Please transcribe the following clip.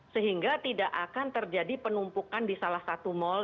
sehingga tidak akan terjadi penumpukan di salah satu mal